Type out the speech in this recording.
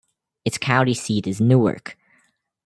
Its county seat is Newark.